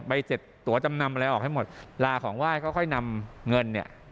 เสร็จตัวจำนำอะไรออกให้หมดลาของไหว้ก็ค่อยนำเงินเนี่ย